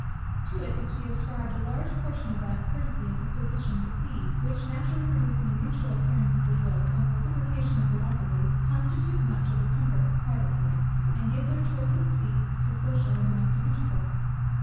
To it is to be ascribed a large portion of that courtesy and disposition to please, which naturally producing a mutual appearance of good will, and a reciprocation of good offices, constitute much of the comfort of private life, and give their choicest sweets to social and domestic intercourse.